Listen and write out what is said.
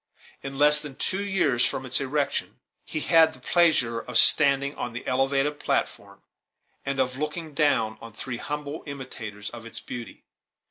In less than two years from its erection, he had the pleasure of standing on the elevated platform, and of looking down on three humble imitators of its beauty.